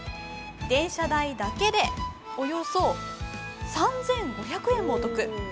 電車代だけでおよそ３５００円もお得。